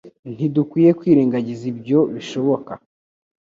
Ntidukwiye kwirengagiza ibyo bishoboka